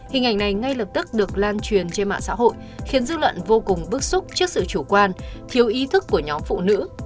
hình ảnh này ngay lập tức được lan truyền trên mạng xã hội khiến dư luận vô cùng bức xúc trước sự chủ quan thiếu ý thức của nhóm phụ nữ